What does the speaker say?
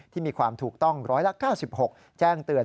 มีความถูกต้อง๑๙๖แจ้งเตือน